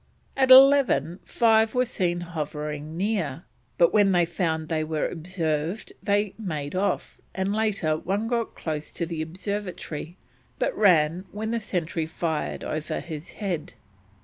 At eleven, five were seen hovering near, but when they found they were observed they made off, and later one got close to the observatory, but ran when the sentry fired over his head.